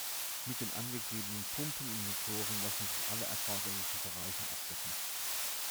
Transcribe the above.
Mit den angegebenen Pumpen und Motoren lassen sich alle erforderlichen Bereiche abdecken.